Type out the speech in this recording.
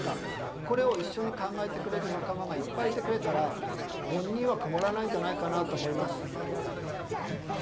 これを一緒に考えてくれる仲間がいっぱいいてくれたら本人は困らないんじゃないかなと思います。